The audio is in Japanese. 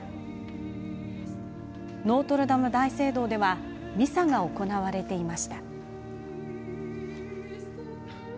ノートルダム大聖堂ではミサが行われていました。